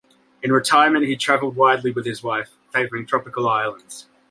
In retirement he traveled widely with his wife, favoring tropical islands.